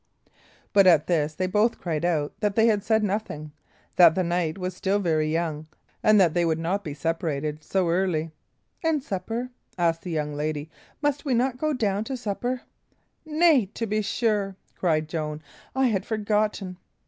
But at this they both cried out that they had said nothing, that the night was still very young, and that they would not be separated so early. "And supper?" asked the young lady. "Must we not go down to supper?" "Nay, to be sure!" cried Joan. "I had forgotten."